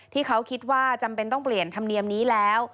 ที่เขาคิดว่าจำเป็นต้องเปลี่ยนธรรมเนียมนี้แล้ว